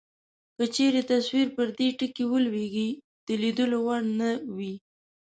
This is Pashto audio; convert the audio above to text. که چیرې تصویر پر دې ټکي ولویږي د لیدلو وړ نه وي.